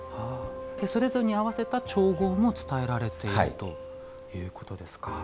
それぞれに合わせた調合も伝えられているということですか。